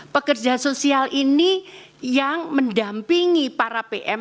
pekerja sosial ini yang mendampingi para pm